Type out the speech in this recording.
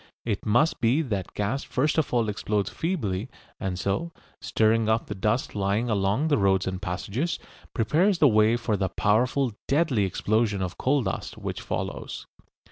It must be that the gas first of all explodes feebly, and so, stirring up the dust lying along the roads and passages, prepares the way for the powerful, deadly explosion of coal dust which follows.